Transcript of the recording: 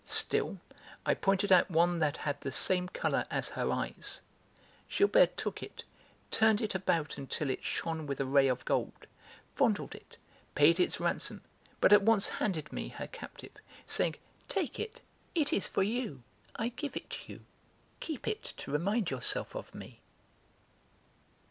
Still, I pointed out one that had the same colour as her eyes. Gilberte took it, turned it about until it shone with a ray of gold, fondled it, paid its ransom, but at once handed me her captive, saying: "Take it; it is for you, I give it to you, keep it to remind yourself of me."